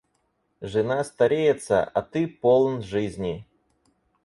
Жена стареется, а ты полн жизни.